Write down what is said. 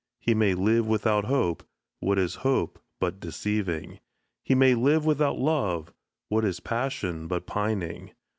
He may live without hope what is hope but deceiving? He may live without love what is passion but pining?